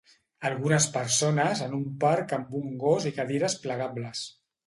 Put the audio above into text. Algunes persones en un parc amb un gos i cadires plegables.